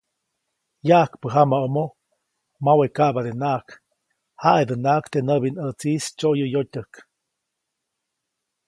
Yaʼajkpä jamaʼomo, mawe kaʼbadenaʼajk, jaʼidänaʼajk teʼ näʼbinʼätsiʼis tsyoyäyotyäjk.